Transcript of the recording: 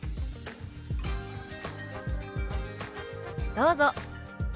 どうぞ。